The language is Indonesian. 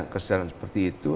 kesadaran seperti itu